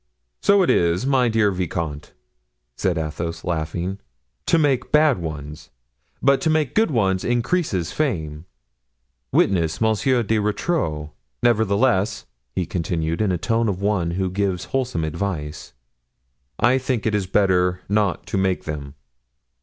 "So it is, my dear vicomte," said Athos, laughing, "to make bad ones; but to make good ones increases fame—witness Monsieur de Rotrou. Nevertheless," he continued, in the tone of one who gives wholesome advice, "I think it is better not to make them."